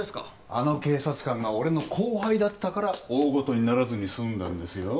あの警察官が俺の後輩だったから大ごとにならずに済んだんですよ。